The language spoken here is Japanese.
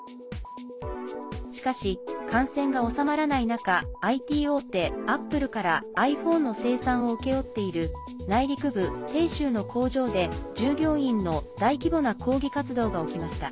しかし、感染が収まらない中ＩＴ大手アップルからｉＰｈｏｎｅの生産を請け負っている内陸部、鄭州の工場で、従業員の大規模な抗議活動が起きました。